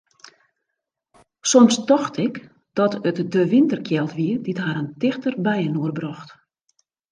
Soms tocht ik dat it de winterkjeld wie dy't harren tichter byinoar brocht.